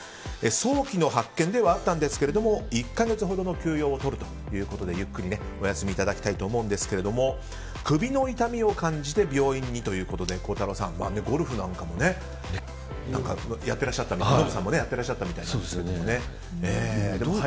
早期の発見ではあったんですが１か月ほどの休養をとるということでゆっくりお休みいただきたいと思うんですけれども首の痛みを感じて病院にということで孝太郎さん、ゴルフなんかもねやってらっしゃったみたいでノブさんもやっていらっしゃったみたいで。